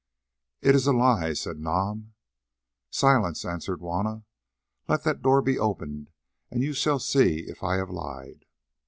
"It is a lie," said Nam. "Silence!" answered Juanna. "Let that door be opened, and you shall see if I have lied."